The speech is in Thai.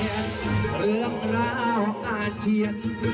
ก็เลยต้องสอนออนไลน์ตามสไตล์ครูเบิร์นนาภัง